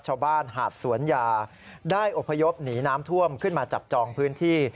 หาดสวนยาได้อพยพหนีน้ำท่วมขึ้นมาจับจองพื้นที่